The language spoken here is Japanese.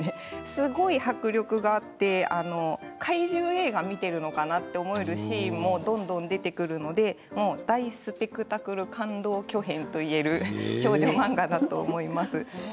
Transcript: すごい迫力があって怪獣映画を見ているのかなと思えるシーンもどんどん出てくるので大スペクタクル感動巨編少女漫画だと思います。